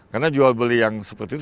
karena jual beli yang seperti itu